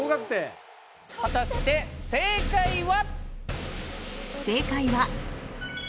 果たして正解は？